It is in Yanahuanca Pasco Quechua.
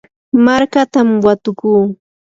markatam watukuu.